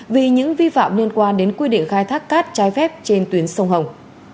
vì những vi phạm liên quan đến quy định khai thác cát trái phép trên tuyến sông hồng